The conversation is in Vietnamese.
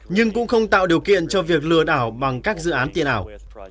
nhưng cũng không tạo điều kiện cho việc lừa đảo bằng các dự án tiền ảo